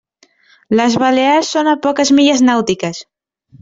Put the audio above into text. Les Balears són a poques milles nàutiques.